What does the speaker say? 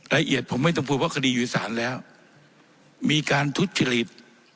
ละเอียดผมไม่ต้องพูดว่าคดีอยู่ศาลแล้วมีการทุจริต